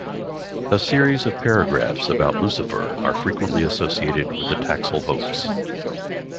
A series of paragraphs about Lucifer are frequently associated with the Taxil Hoax.